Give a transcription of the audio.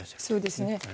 そうですね。